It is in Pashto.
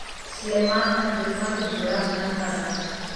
سلیمان غر د ځمکې د جوړښت نښه ده.